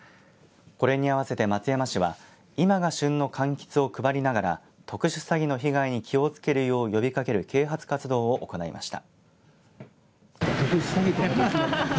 これに合わせて松山市は今が旬のかんきつを配りながら特殊詐欺の被害に気を付けるよう呼びかける啓発活動を行いました。